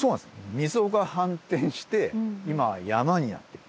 溝が反転して今は山になっている。